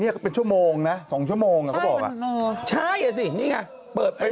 นี่อันนี้อันนี้ที่เราดูกันเซฟใหญ่เถอะเซฟใหญ่